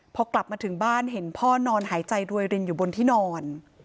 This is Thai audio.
พอกลับมาถึงบ้านเห็นพ่อนอนหายใจรวยรินอยู่บนที่นอน